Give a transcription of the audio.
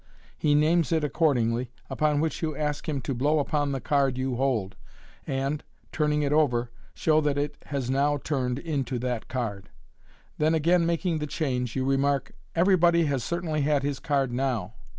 He names it accordingly, upon which you ask him to blow upon the card you hold, and, turning it over, show that it has now turned into that card. Then again making the change, you remark, "Everybody has certainly had his card now."